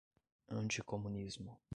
anticomunismo